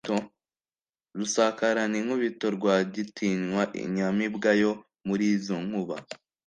Rusakaraninkubito Rwagitinywa inyamibwa yo muri izo nkuba